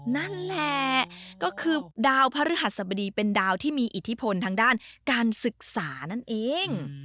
นั่นแหละก็คือดาวพระฤหัสบดีเป็นดาวที่มีอิทธิพลทางด้านการศึกษานั่นเอง